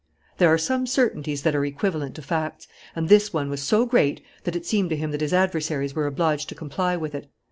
There are some certainties that are equivalent to facts. And this one was so great that it seemed to him that his adversaries were obliged to comply with it.